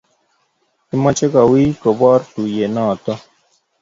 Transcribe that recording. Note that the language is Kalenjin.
kimache kowiy koboor tuiyet noto